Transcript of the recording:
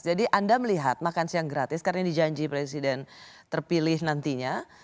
jadi anda melihat makan siang gratis karena ini janji presiden terpilih nantinya